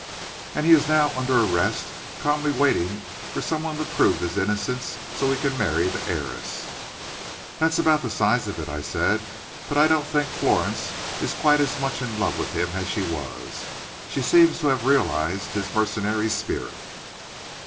"And he is now under arrest, calmly waiting for some one to prove his innocence, so he can marry the heiress." "That's about the size of it," I said. "But I don't think Florence is quite as much in love with him as she was. She seems to have realized his mercenary spirit."